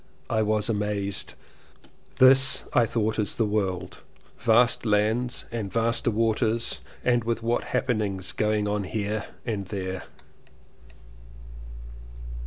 I was amazed. This I thought is the world: vast lands and vaster waters and with what happenings going on here and there!